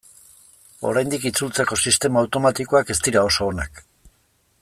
Oraindik itzultzeko sistema automatikoak ez dira oso onak.